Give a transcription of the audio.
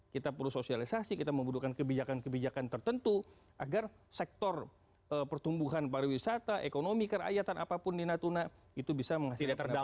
kita perlu sosialisasi kita membutuhkan kebijakan kebijakan tertentu agar sektor pertumbuhan pariwisata ekonomi kerakyatan apapun di natuna itu bisa menghasilkan pendapatan